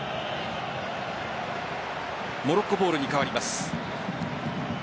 モロッコボールに変わります。